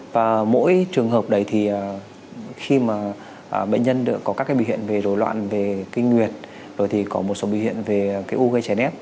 và mỗi trường hợp đấy thì khi mà bệnh nhân có các cái biểu hiện về rối loạn về kinh nguyệt rồi thì có một số biểu hiện về cái u gây nép